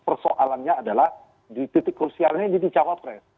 persoalannya adalah di titik krusialnya jadi cawapres